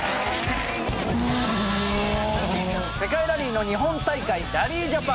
世界ラリーの日本大会ラリージャパン。